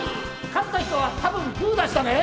勝った人は多分グー出したね！